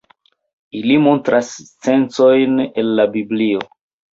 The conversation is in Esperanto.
Ili montras scencojn el la Biblio.